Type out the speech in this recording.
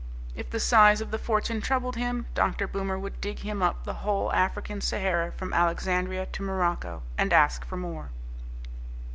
If the size of the fortune troubled him, Dr. Boomer would dig him up the whole African Sahara from Alexandria to Morocco, and ask for more.